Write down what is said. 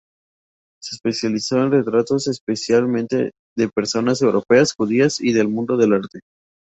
Se especializó en retratos, especialmente de personas europeas, judías y del mundo del arte.